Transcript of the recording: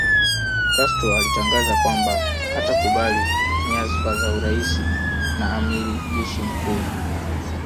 Castro alitangaza kwamba hatakubali nyazfa za urais na amiri jeshi mkuu